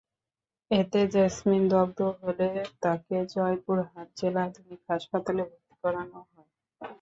এতে জেসমিন দগ্ধ হলে তাঁকে জয়পুরহাট জেলা আধুনিক হাসপাতালে ভর্তি করানো হয়।